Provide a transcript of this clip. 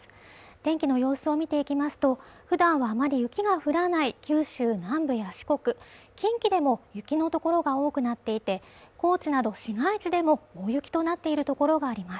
天気の様子を見ていきますと普段はあまり雪が降らない九州南部や四国近畿でも雪の所が多くなっていて高知など市街地でも大雪となっているところがあります